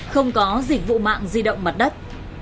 không có dịch vụ mạng di động mặt đất